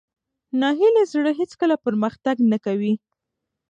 ناهیلي زړه هېڅکله پرمختګ نه کوي.